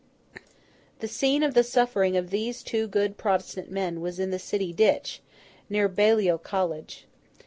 The scene of the suffering of these two good Protestant men was in the City ditch, near Baliol College.